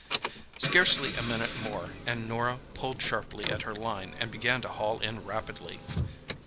Scarcely a minute more, and Norah pulled sharply at her line and began to haul in rapidly.